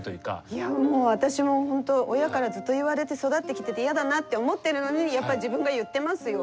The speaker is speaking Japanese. いやもう私も本当親からずっと言われて育ってきてて嫌だなって思ってるのにやっぱり自分が言ってますよ。